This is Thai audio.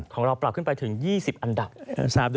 ของเราปรับขึ้นไปถึง๒๐อันดับ